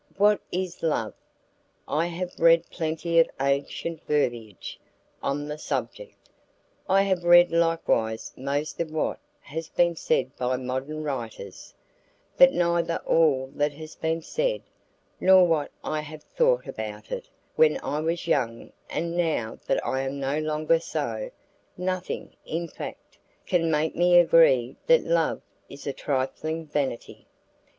What is love? I have read plenty of ancient verbiage on that subject, I have read likewise most of what has been said by modern writers, but neither all that has been said, nor what I have thought about it, when I was young and now that I am no longer so, nothing, in fact, can make me agree that love is a trifling vanity.